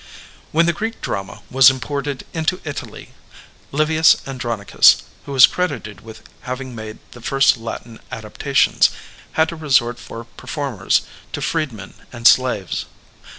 When the Greek drama was imported into Italy, Livius Andronicus, who is credited with having made the first Latin adaptations, had to resort for performers to freedmen and slaves.